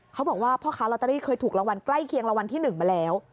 เขาบอกว่าพ่อค้าลอตเตอรี่เคยถูกรางวัลใกล้เคียงรางวัลที่๑มาแล้ว